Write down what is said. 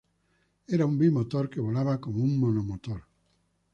Era un bimotor que volaba como un monomotor.